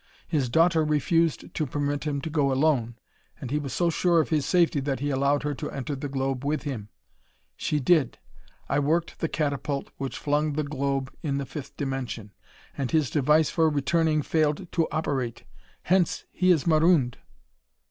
His daughter refused to permit him to go alone, and he was so sure of his safety that he allowed her to enter the globe with him. She did. I worked the catapult which flung the globe in the fifth dimension, and his device for returning failed to operate. Hence he is marooned."